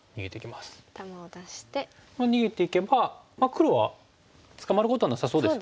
逃げていけば黒は捕まることはなさそうですね。